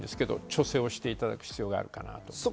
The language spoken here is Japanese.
調整をしていただく必要があると思います。